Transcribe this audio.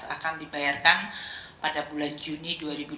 akan dibayarkan pada bulan juni dua ribu dua puluh